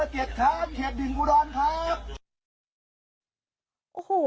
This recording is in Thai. เกียรติดิงกูดอนครับ